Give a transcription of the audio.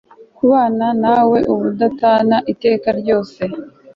kubana naweubudatana iteka ryose